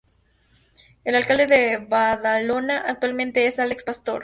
El alcalde de Badalona actualmente es Àlex Pastor.